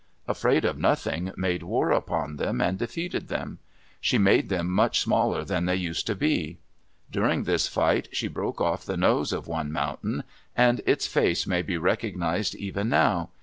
Afraid of Nothing made war upon them and defeated them. She made them much smaller than they used to be. During this fight she broke off the nose of one mountain, and its face may be recognized even now.